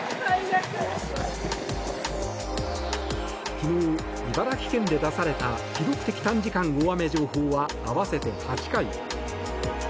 昨日、茨城県で出された記録的短時間大雨情報は合わせて８回。